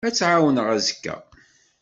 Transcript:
Ad t-ɛawneɣ azekka.